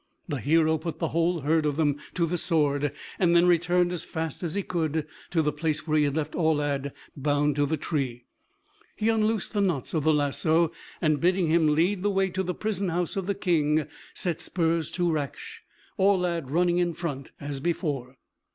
The hero put the whole herd of them to the sword, and then returned as fast as he could to the place where he had left Aulad bound to the tree. He unloosed the knots of the lasso, and bidding him lead the way to the prison house of the King, set spurs to Raksh, Aulad running in front as before.